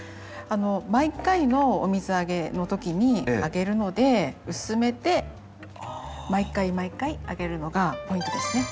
毎回のお水あげの時にあげるので薄めて毎回毎回あげるのがポイントですね。